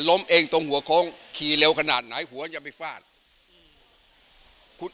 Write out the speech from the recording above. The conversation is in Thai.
ล้มเองตรงหัวโค้งขี่เร็วขนาดไหนหัวจะไปฟาดอืมคุณ